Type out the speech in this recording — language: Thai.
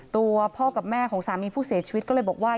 ตัวพ่อกับแม่ของสามีผู้เสียชีวิตก็เลยบอกว่า